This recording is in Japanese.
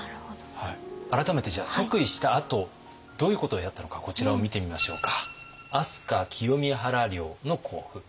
改めてじゃあ即位したあとどういうことをやったのかこちらを見てみましょうか。